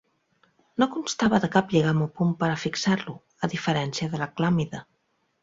No constava de cap lligam o punt per a fixar-lo, a diferència de la clàmide.